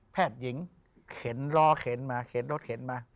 หญิงเข็นล้อเข็นมาเข็นรถเข็นมา